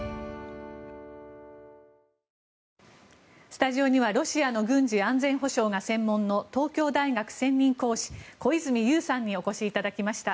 スタジオにはロシアの軍事・安全保障が専門の東京大学専任講師、小泉悠さんにお越しいただきました。